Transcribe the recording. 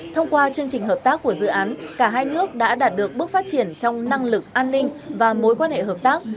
thông qua chương trình hợp tác của dự án cả hai nước đã đạt được bước phát triển trong năng lực an ninh và mối quan hệ hợp tác